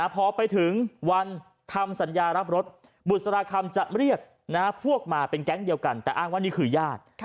พอไปถึงวันทำสัญญารับรถบุษราคำจะเรียกพวกมาเป็นแก๊งเดียวกันแต่อ้างว่านี่คือญาติ